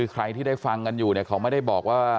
ใครที่ได้ฟังกันอยู่เนี่ยเขาไม่ได้บอกว่า